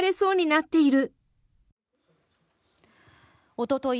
おととい